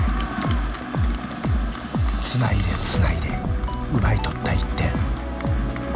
つないでつないで奪い取った１点。